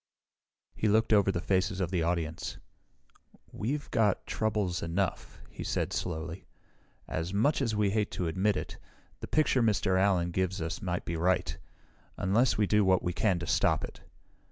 He looked over the faces of the audience. "We've got troubles enough," he said slowly. "As much as we hate to admit it, the picture Mr. Allen gives us may be right unless we do what we can to stop it.